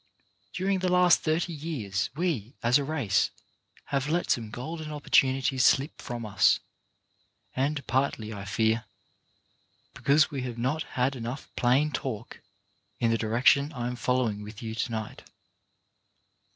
During the last thirty years we, as a race, have let some golden opportunities slip from us, and partly, I fear, because we have not had enough plain talk in the direction I am following with you to night.